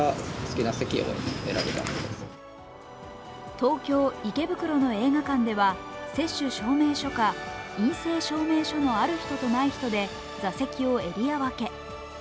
東京・池袋の映画館では接種証明書か陰性証明書のある人とない人で座席をエリア分け。